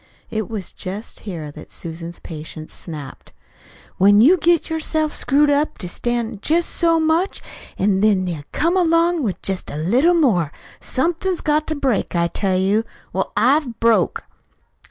It was just here that Susan's patience snapped. "When you get yourself screwed up to stand jest so much, an' then they come along with jest a little more, somethin's got to break, I tell you. Well, I've broke."